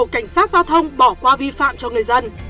các giao thông bỏ qua vi phạm cho người dân